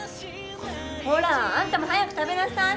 ほらあんたも早く食べなさい！